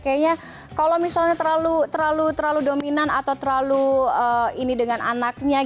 kayaknya kalau misalnya terlalu dominan atau terlalu ini dengan anaknya